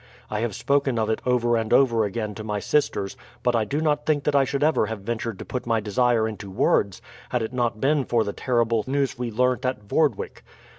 I have spoken of it over and over again to my sisters; but I do not think that I should ever have ventured to put my desire into words, had it not been for the terrible news we learnt at Vordwyk.